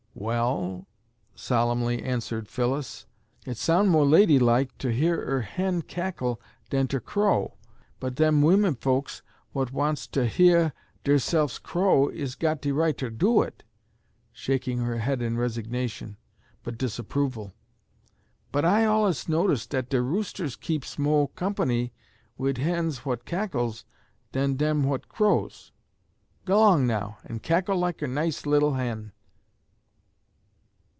"Well," solemnly answered Phyllis, "it soun' mo' ladylike ter hear er hen cackle dan ter crow, but dem wimmen fokes whut wants ter heah dersefs crow is got de right ter do it," shaking her head in resignation but disapproval, "but I allus notice dat de roosters keeps mo' comp'ny wid hens whut cackles dan dem whut crows. G'long now an' cackle like er nice lit'le hen."